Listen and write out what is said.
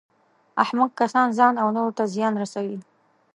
احمق کسان ځان او نورو ته زیان رسوي.